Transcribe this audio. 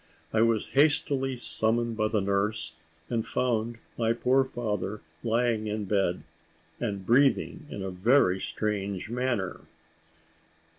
I was hastily summoned by the nurse; and found my poor father lying in bed, and breathing in a very strange manner.